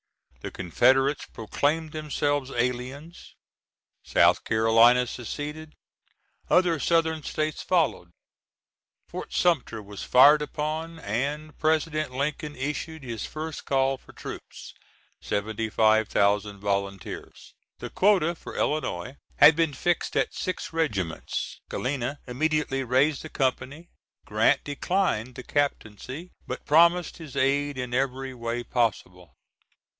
The Confederates proclaimed themselves aliens; South Carolina seceded; other Southern States followed; Fort Sumter was fired upon, and President Lincoln issued his first call for troops, 75,000 volunteers. The quota for Illinois had been fixed at six regiments. Galena immediately raised a company. Grant declined the captaincy but promised his aid in every way possible.